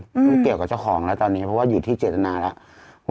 ไม่เกี่ยวกับเจ้าของแล้วตอนนี้เพราะว่าอยู่ที่เจตนาแล้ว